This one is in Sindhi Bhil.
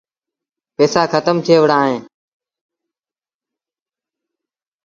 پئيٚسآ کتم ٿئي وُهڙآ اهيݩ۔